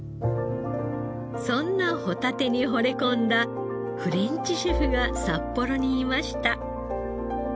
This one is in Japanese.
そんなホタテにほれ込んだフレンチシェフが札幌にいました。